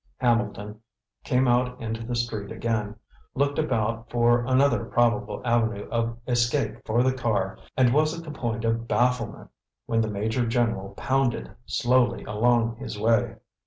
Hambleton came out into the street again, looked about for another probable avenue of escape for the car and was at the point of bafflement, when the major general pounded slowly along his way.